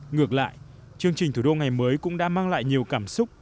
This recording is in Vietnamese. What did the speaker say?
ngược lại chương trình thủ đô ngày mới cũng đã mang lại nhiều cảm xúc